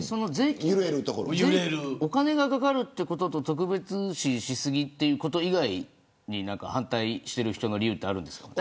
お金がかかることと特別視しすぎということ以外に反対している人の理由ってあるんですか。